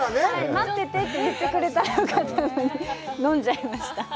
待っててねって言ってくれたらよかったのに、飲んじゃいました。